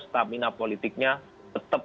stamina politiknya tetap